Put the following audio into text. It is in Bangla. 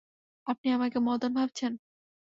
আপনি আমাকে মদন ভাবছেন!